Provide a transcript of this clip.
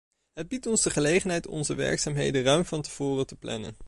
Het biedt ons de gelegenheid onze werkzaamheden ruim van tevoren te plannen.